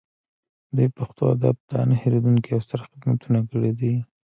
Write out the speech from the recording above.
دوی پښتو ادب ته نه هیریدونکي او ستر خدمتونه کړي دي